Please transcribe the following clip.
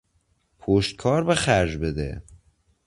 پشتکار به خرج بده!